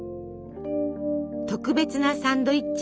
特別なサンドイッチ。